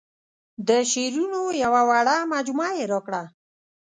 د شعرونو یوه وړه مجموعه یې راکړه.